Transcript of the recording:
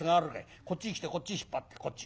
こっち来てこっち引っ張ってこっち